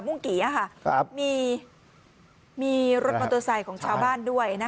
ปุ้งกี่อ่ะค่ะครับมีมีรถมอเตอร์ไซค์ของชาวบ้านด้วยนะฮะ